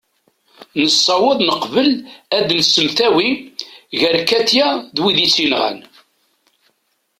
nessaweḍ neqbel ad nsemtawi gar katia d wid i tt-yenɣan